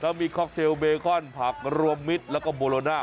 พร้อมมีค็อคเทลเบคอนผักรวมมิสและโบโลนา